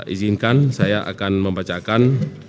izinkan saya akan membacakan